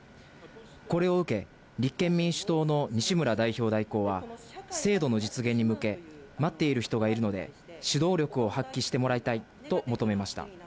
これを受け、立憲民主党の西村代表代行は、制度の実現に向け、待っている人がいるので、指導力を発揮してもらいたいと求めました。